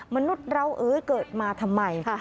มนุษย์เราเอ้ยเกิดมาทำไม